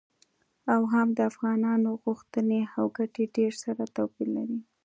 او هم د افغانانو غوښتنې او ګټې ډیر سره توپیر لري.